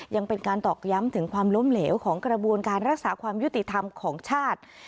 ยังเป็นการตอกย้ำถึงความล้มเหลวของกระบวนการรักษาความยุติธรรมของชาติ